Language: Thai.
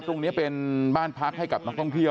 ตรงที่เป็นบ้านพรากส์ให้กับส่วนต้องเที่ยว